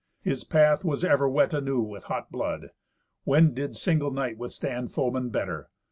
His path was ever wet anew with hot blood. When did single knight withstand foemen better?